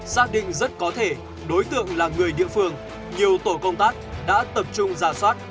xác định rất có thể đối tượng là người địa phương nhiều tổ công tác đã tập trung giả soát